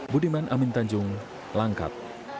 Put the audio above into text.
budiman amin tanjung langkat